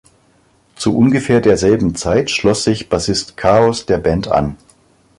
Zu ungefähr derselben Zeit schloss sich Bassist Chaos der Band an.